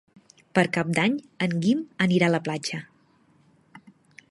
Per Cap d'Any en Guim anirà a la platja.